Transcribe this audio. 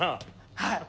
はい！